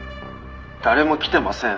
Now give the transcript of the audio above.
「誰も来てません」